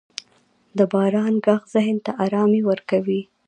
• د باران ږغ ذهن ته آرامي ورکوي.